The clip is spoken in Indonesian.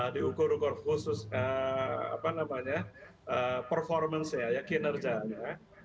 diukur ukur khusus performance nya kinerja nya